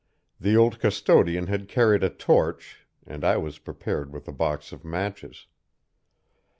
The old custodian had carried a torch (and I was prepared with a box of matches.)